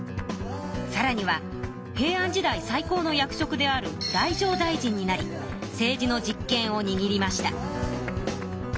さらには平安時代最高の役職である太政大臣になり政治の実権をにぎりました。